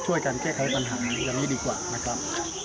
ช่วยกันแก้ไขปัญหาอย่างนี้ดีกว่านะครับ